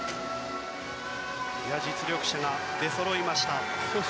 実力者が出そろいました。